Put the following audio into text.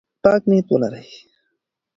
پاک نیت ولرئ.